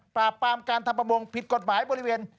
ปราบปรามการทำประมงผิดกฎหมายบริเวณ